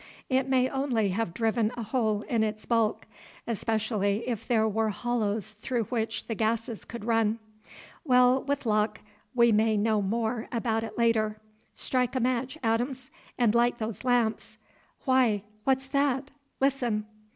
It may only have driven a hole in its bulk, especially if there were hollows through which the gases could run. Well, with luck, we may know more about it later. Strike a match, Adams, and light those lamps. Why, what's that? Listen!"